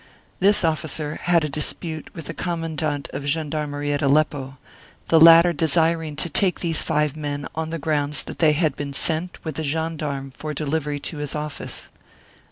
This officer had a dispute with the Commandant of Gendarmerie at Aleppo, the latter desiring to take these five men on the grounds that they had been sent with a gendarme for delivery to his office.